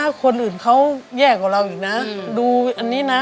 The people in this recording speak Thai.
สามีก็ต้องพาเราไปขับรถเล่นดูแลเราเป็นอย่างดีตลอดสี่ปีที่ผ่านมา